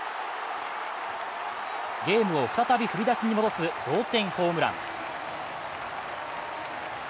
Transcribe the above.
ゲームを再び振り出しに戻す同点ホームラン。